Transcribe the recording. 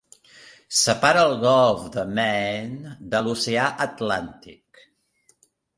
Separa el golf de Maine de l'oceà Atlàntic.